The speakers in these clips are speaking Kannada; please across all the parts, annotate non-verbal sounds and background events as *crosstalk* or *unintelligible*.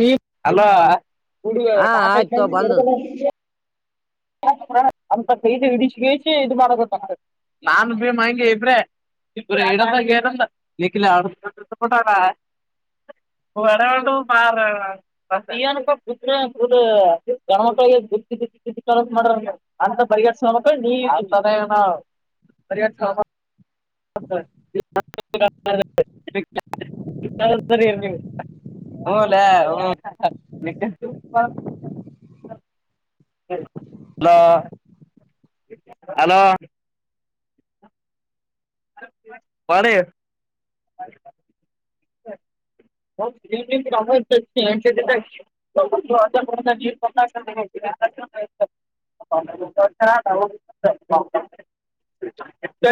ನೀ ಅಲ್ಲ ಹುಡುಗ ನಾಕ ಅಂತ ಕ ಇಡಸಿ ಇದು ಮಾಡ ಗೊತ್ತಾಗ ನಾನ್ು ಭೀ ಮಾಂಗೆ ಇಬ್ರೆ ಡಟ್ಟ *unintelligible* ಬ ಬಾರ ರೈಯನುಡ ಗಟ. ಮಾಡ ಅಂತ ಪರಿಗಡ್ಸಮಕ್ಕ ನೀದ ಪರಿಗ. ಹ. *unintelligible* ಇ ಸರಿ. ಲ್ಲ ಹ. Hello hello. ಪಾನ. ಹ ಜೀ ಪ. *inaudible* *inaudible*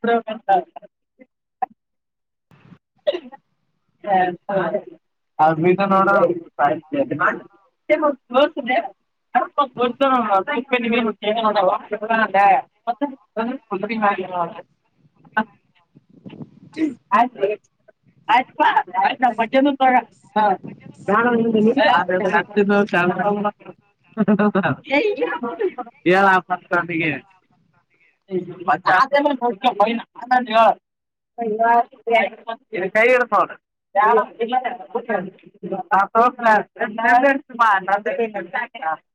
ಪ್ರ ಅಮ ನೋಡ ಬ ಇೋ ಅಲ್ಲ ಮತ್ತ ಆಯ ಆಯ್ತಾ ಆಯ್ತ ಮಜೆನ ಹ *inaudible* ಿಗೆ ಆನ ಯ ಇ ಕರಿಡ ಸಾವಲ್ಟ ಸುಮ ನಂದ ನ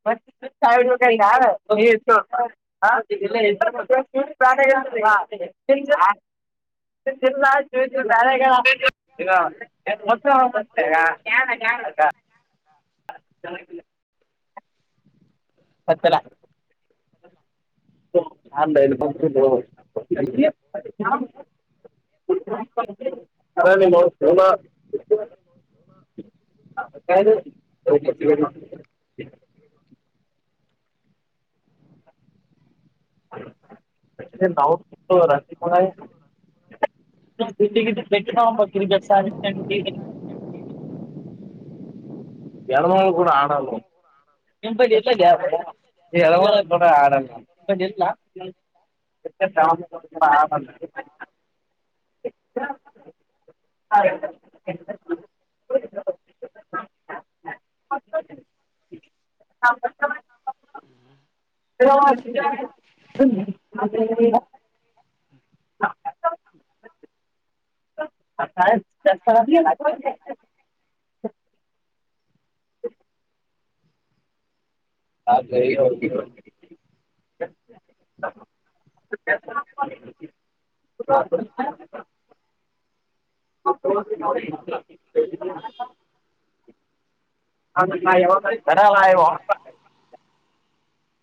ಮ ಕ ಯಾರ ರೆ ಹೊಸ ಹ ಚ ಹ ಚಲ *inaudible* ಹ ಕ ಸೋ ಕೊಡತೀನಿ ಹ ನವು ರತ್ಪ ಗ ಕೆಟ್ಟ ಪಕ ಕೆಮಳ ಕೂಡ ಆಣ ಡ ಆಡ ಚಾಲೂ ಆಗಿದ್ದ ಹ ಹಯ ಹ ಕಾಸ್ಟ್ಯೂಮ್ ಹ್ಮ್ ಹ ಕಾಸ್ಟ್ಯೂಮ್ ಹ ಹಾ ಸ ಹೋಗ ಕೆಟ್ಟ ಚಾ ಹ ಹ ಅಂದ್ರ ನಾ ಇವತ್ತ..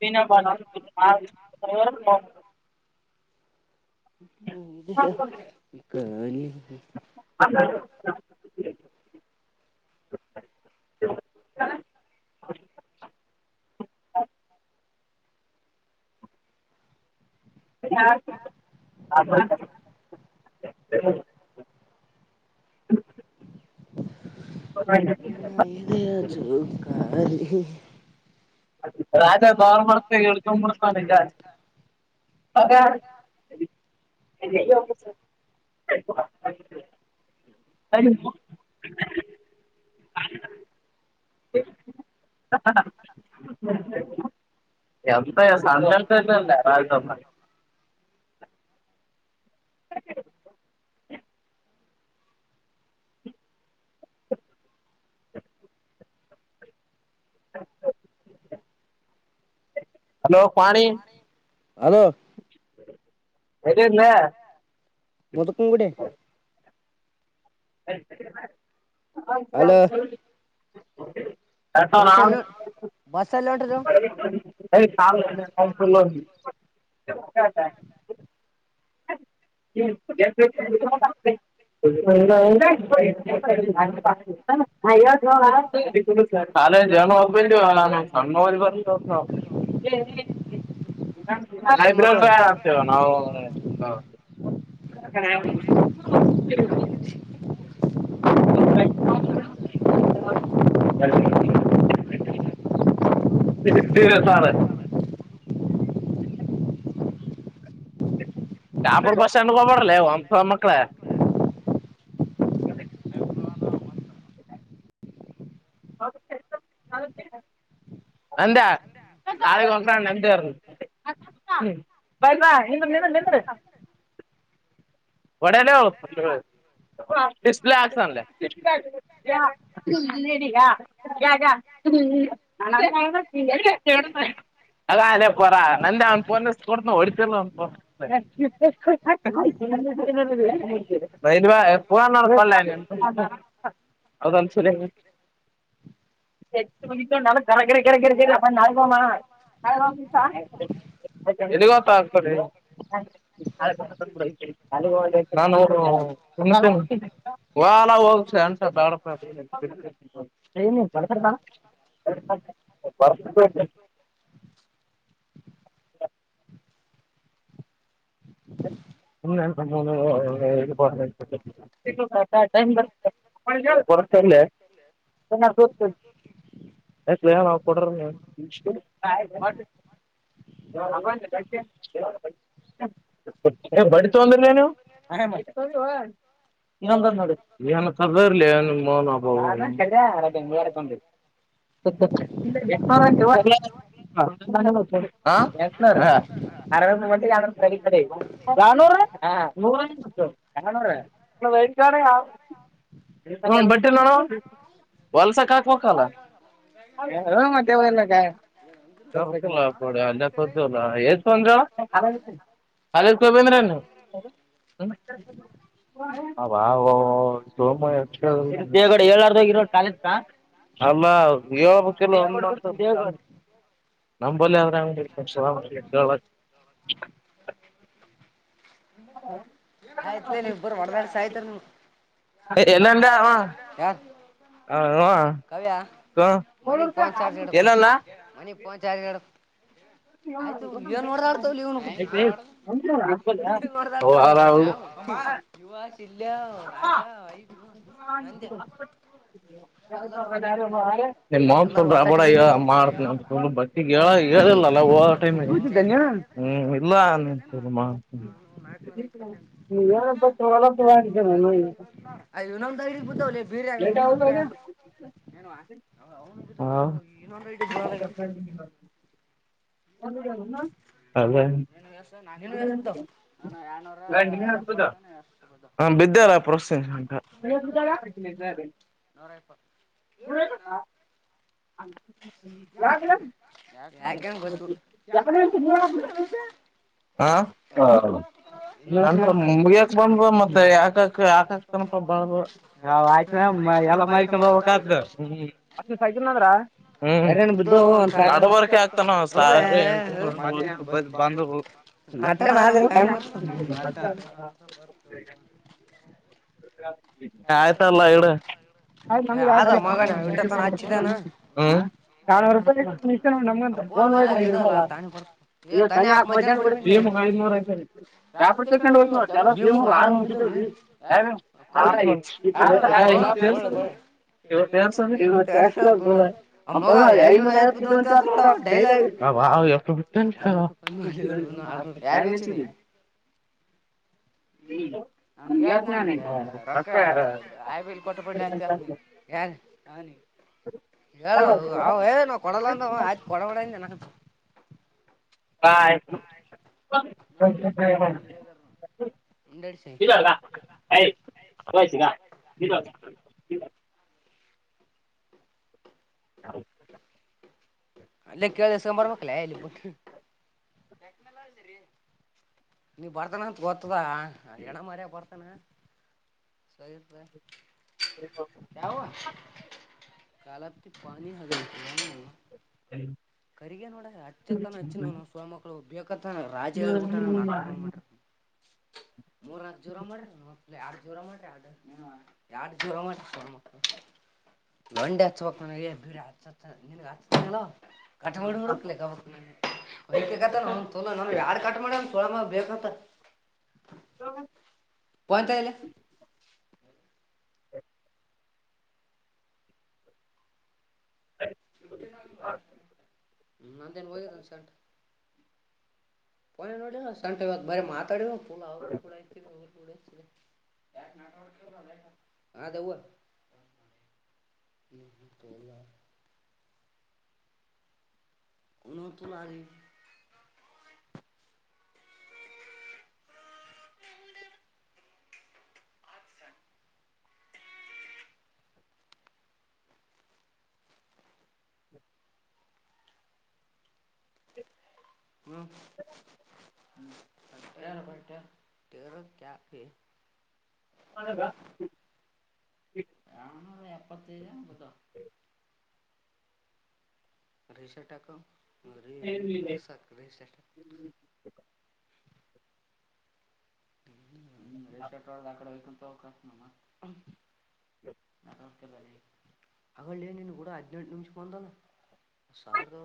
ವಿನ ಬ.. ಹದ ಟ ತಾ ಹ ಹ ಹ ನನ್ನ ಎ ಚುಕಾಲಿ ಹ ರಾಜ ದವಾರ್ ಮಾಡ್ತ ಹೇಳ್ಕೊಂಡ್ಬಡ್ತ ನಿಗ ಎಕ್ಸಾಮ್. ಅರಿ.. ಹ ಹ.. ಎಂತ ಸ್ಣೆಂತ ರಾಜಮ್ಮ.. ಹ. ಹಲೋ ಪಾಣಿ ಹೇಳ. ಮುದಕ ಕೂಡ. ಹೇ ತಡಿಯಲ್ಲಿ.. ಬಸಾಲೋ ಬಸಾಲೋನ್.. ಅಲಲ್ಲ.. ಹಟ.. ಹ.. ಆತ.. ಲೌಧೇ ನಿಮ್ಮ.. ಕಾಲ ಜನು ಒಬಾನ ಶಣ್ಣೋವ ಬರ್.. ಹೈಬ್ರೋಲ್ ಆಡ್ತೇವ ನಾವು.. ಕೇನ್.. ಟೈಮ್ ಪಾಸ್.. ಸಿರ ಸಾರ.. ಕಪುರ್ ಬಸ್ ಸ್ಟಾಂಡ್ ಕೋಗಬಡಲ ಒಂಥ ಮಕ್ಕಳ.. ಹ.. ಹ.. ಅಂತ.. ಅ ನಂತ. ಬ ನ ಹಿಂದ ನಿನ್ನ ನಿಂದ್ರ. ಒಡಲ್ಲ.. ಡಿಸ್ಪ್ಲೇ ಆಕ್ಸ ಅ ಯ.. ಹ್ಮ್ ನ.. ಅಗ ಅದೇ ಪರ ನಂದೇ ಅವನ್ ಫೋನ್ ಕೊಡ್ನ ಹೊಡ್ತಿಲ್ಲ ಅವೋನ್.. ರುವ ಎಪ್ಪು ನಕಲ್ಲ. ಅದಂತ ಸರಿ. ಕರಕಡೆ ಕೆರಕಡೆ ನಾಮ. ಹಫ ಸಾ. ಎಲ್ಲಿಗತ್ತ ಆಗ್ತದೆ. ಅಲ್ಲಿನ ವಾಲಾ ಹೋಗ. ಬ. ಚರ್ಚೆ,, ಎಋ. ಬ. ಪರತಲ್ಲ ಸತ. ಯ ನ ಕೊಡ. ಹ ಹ ಬಡ್ತ ಒಂದನು. ಇನ್ನೊಂದು ಬತ್ತಿ ನೋಡ್ರಿ ಇರ್ಲಿ. ಅಲೊ.. ಹ ಅರಟ್ಟಿಗೆ ಸರಿ. ಅ ನೂರು ಹ ನೂರ ನೂರ ನಿ ವ. ಅವನ್ ಬಟ್ಟಲ್ಲಾನ.. ನಿ ಮಾಡ ಲ್ಜ ಬಂದ್ರ ಕಾಲೇಜ ಕೊಬ ಅಂದ್ರ ನೀ ಹ ಅ ಸೋಮ ದೇಗಡೆ ಏಳ್ರ್ದೋಗರೋ ಕಾಲಾ ಅಲ್ಲ ಏ ನಮ್ಮಂಬಲ್ಲ ಅ ಆಯ್ತ್ ನೀ ಇಬ್ಬರು ಹೊಡದಾಡ್ಸ ಆಯ್ತರಿ ನೀಮ ಯ ಹ ಕವಿಯ ಮನ ಪಾರ್ಪ ಮನ ಪಾರ್ ಹ ಆಯ್ತು ಇವನ್ ನೋಡ್ದ ಆಡ್ತಾವ ಇವನುನ್ ನೋಡ್ದ ಆಡ್ತವ ಯುುವ ಶಿಲ್ಲಯ ರಾಜಾ ಆ ನಂದ್ಯ ಾ *inaudible* ನಿ ಮಾ ಸುಲ್ ಆಬಡ ಮಾಡು ಬಿಗೆ ಹೇಳಿಲ್ಲ ಟ ಹ್ಮ ಇಲ್ಲ ನೀ ನೀ ತ ನ್ ತಗತ ಬೀರೆಗ ಮುನ್ನೂ ರೂಪಾಯಾ ಏನುವಾ ಅವನು ಇನ್ನಂದ ಬಳಗ *inaudible* ಅದ ನೂ ಎಸ್ಬೋದ ನಾನು ಎರನೂರ ಎಪ್ಪತ್ತ ಎ ಅ ರ ಗಬನ್ ನೂರಾಯಪ್ಪ ಹ *inaudible* ಯಾರ್ ನೀನು *inaudible* ಎಡೆಬೇಕು *inaudible* ಹ ಅಲ್ಲ ಮೊಗೇಚ್ ಬಂದು ಮತ್ತೆ ಯಾಕ ಯಾಕ ಆಯ್ತ ಎಲ್ಲ ಮಲಿಕೊಂಡರೆ ಊಟ ಆಯ್ತು ಅಷ್ಟು ದಿಸ ಎಲ್ಲಿದರಲ್ಲ ಹ್ಮ್ ಅಡವರ್ಕೆ ಆಗ್ತಾನ ಬಂದ *inaudible* ನ *inaudible* ವಿಕ್ರಾಂತ್ ಆಯ್ತಲ್ಲ ಎರಡು *inaudible* ಕಾಲವರ್ ಬಿಟ್ಟು ಬಾ *inaudible* ಏಳುನೂರು ಆನೂರು ಐ್ತ ರ ಯಾಪರ್ ತಕೊಂಡು ಹೋಗ್ವ ಕೆಲ ಸಿಮ ಆರುನರು *inaudible* *inaudible* ಯುವತೂ ಇವ ಐ ಆ ಅಂತ ಕಡ ಡೈಲಾಗ ಇ *inaudible* ಯಾರಿಗ್ ಹಚ್ಚಿದ್ದಿ ಯ ನ ನೀ *inaudible* ಆಯಬಲ್ ಕೊಟ್ಟುಬಿಳ್ಳ ಅಂತ ಹೇಳ್ತೀನಿ ಯಾರಿಗೆ ಅವನಿಗೆ ಹೇಳೋದಿಲ್ಲ ಏ ಕೊಡಲ್ಲ ಅಂದವ ಆಯ್ತ್ ಕೊಡ್ಬೇಡ ಅಂದೆ ನಾನು ಹಾ ಆಯ್ತು ಾಾ *inaudible* ಹೌ ಅಲ್ಲೇ ಕೇಳಿಸಕೋ ಬರಬೇಕಲೈ ನೀ ಬರ್ತಾನ ಅಂತ ಗೊತ್ತದ ಎಣ ಮರ್ಯ ಬರ್ತಾನ ಯಾವ ಕಲಪ್ತಿ ಪಾನಿ ಅದರಿತ್ತ ಹ್ಮ್ ಕರಿಗ ನೋಡ ಹಚ್ಚತ್ತನ ಹಚ್ಚಿ ಸೂಳೇ ಮಕ್ಕಳು ರಾಜ ಆಗ್ಬಿಟ್ಟವ್ನೆ ಅವನಕ್ಕ ಫೋನ್ ಮಾಡಿದಾಗ ಮೂರ್ನಾಕ್ ಜೀರೋ ಮಾಡಿರ್ಲಿ ಜೀರೋ ಮಾಡಲಿ ಆರ್ಡರ್ ನಾ, ಎರಡು ಜೀರೋ ಮಾಡೋರೆ ಸೂಳೆಮಕ್ಕಳು ಲೊಂಡೆ ಅಚ್ಚಬೆಕಣ್ಣಲೇ ಬರಿ ಅಚ್ಚ ಅಚ್ಚೆ ನಿನಗೆ ಹತ್ಲೇನು ಹಠ ಬಿಟ್ಟುಬಿಡು ಲೆಕ್ಕ ಮುಕ್ಕವತಿ ಐಕತ್ತ ನ ತುಲನ ಯಾರ್ ಕಟ್ ಮಾಡ ತೊಳ ಮ ಬೇಕತ್ತ ಹ *inaudible* ಫೋನ್ ತಾಯಿಇಲ್ಲಿ ನಂದೇ ಹೋಗಿದ್ದಾಲ್ ಸೆಂಟ ಪೋನ ನೋಡಿಲ್ಲ ಸೆಂಟ ಬರಿ ಮಾತನಾಡಿದ ತುಲ ಅದೇವು ನೀ ತ ಇಲ್ಲ *inaudible* ಅನಾವೌನ್ ತುಲ್ ಆಡಲಿ *inaudible* ಹ್ಮ ಹಾ ಹ್ಮ ಅಟ್ಟ ಕೆರ ಕಪ *inaudible* ಅದಾಗ ರಿಸೆಟ್ ಹಾಕು ಅಂದ್ರೆ ರೀ ರೀ ಪ್ಲೀಸ್ ಹಾಕು ರಿಸೆಟ್ ಹ್ಮ ರೇಷಟ್ದ ಆಕಡೆ ವಕ ತ ಅವಕ ಮ ಹ ಅಗಲೈ ನಿನ್ ಕೂಡ ಅದಿನೆಂತೂ ನಿಮಿಷ ಒಂದಲ್ಲ ಸಾವಿರದ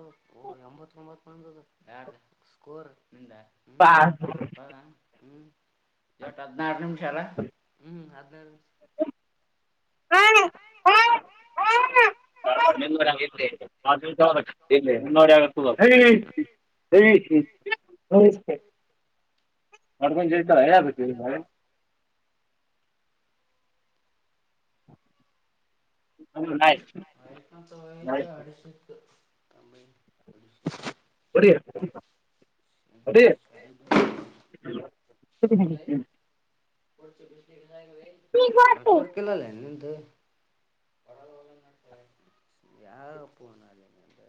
ಎಂಬತ್ ಒಂಬತೂ ಬಂದದೆ ಯಾರ್ದು ಸ್ಕೋರ್ ನಿಿಂದ ಹ್ಮ್ ಅಾ ಎೋಟ್ಟ ಹದ್ಿನಾರು ನಿಮಿಷ ಅಲ್ಲ ಹ್ಮ್ ಹದ್ಿನಾರು ನಿಮಷ ಲ *unintelligible* ಇಲ್ಲ ನೋಡಿ ಆಗ ಹೇಳ ಹೇಳ *inaudible* ಅರ್ಬಂಜಿತ ಹೈ ಅದು ಸರು ಭರ ಹ ನ ವಯಕನ ವಯತ ಅಡ ಬರಿಯಾ ಅ ನೆಟವರ್ಕ್ ಕಲ್ಲ ಅ ಯಾವ ಪನದನಂದ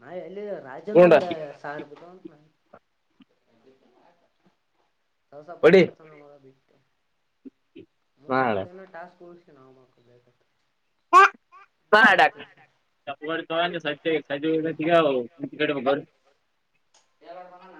ನಾ ಎಲ್ಲಿ ರಾಜನು ಒಂದ ಸಾವಿರ ಬಿಟ್ಟ ಉಂಟು ನ ಸಸ ಪಾಕ್ಕ್ಕ ಚನ್ನ ಅದು ಮ್ ಮಕ್ಕಳು ಎನ ಟಾಸ್ಕ್ ರ್ಸ ನ್ ಮಕ್ಕಳು ಬೇಕತ್ತ ಸ ಸಗ ಕಡೆ ಮಬ ಎಲ್ಲ ಬಂದಣ